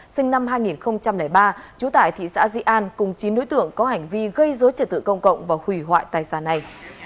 sinh năm hai nghìn ba trú tại thị xã di an cùng chín đối tượng có hành vi gây dối trật tự công cộng và hủy hoại tài sản này